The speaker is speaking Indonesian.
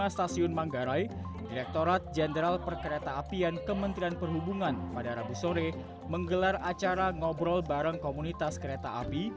di stasiun manggarai direkturat jenderal perkereta apian kementerian perhubungan pada rabu sore menggelar acara ngobrol bareng komunitas kereta api